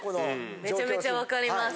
めちゃめちゃ分かります。